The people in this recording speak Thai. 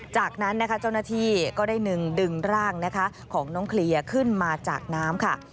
จากนั้นเจ้าหน้าที่ก็ได้หนึ่งดึงร่างของน้องเคลียขึ้นมาจากน้ำ